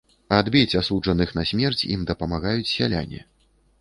Адбіць асуджаных на смерць ім дапамагаюць сяляне.